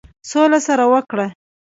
سوله سره وکړه.